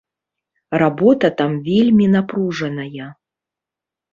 Работа там вельмі напружаная.